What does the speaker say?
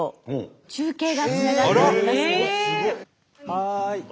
はい！